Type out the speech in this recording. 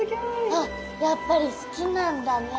あやっぱり好きなんだね